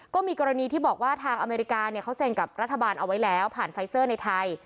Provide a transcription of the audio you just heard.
ก็มีกรณีที่บอกว่าทางอเมริกาเขาเซ็นกับรัฐบาลเอาไว้แล้วผ่านไฟเซอร์ในไทย